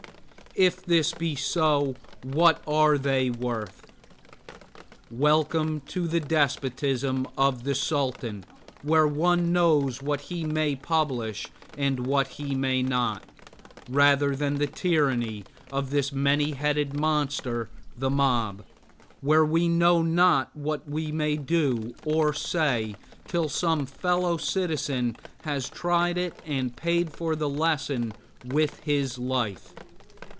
If this be so what are they worth? Welcome the despotism of the Sultan where one knows what he may publish and what he may not, rather than the tyranny of this many headed monster the mob, where we know not what we may do or say till some fellow citizen has tried it and paid for the lesson with his life.